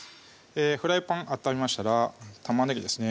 フライパン温めましたら玉ねぎですね